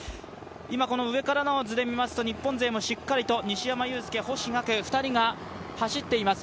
今この上からの図で見ますと日本勢もしっかりと西山雄介、星岳２人が走っています。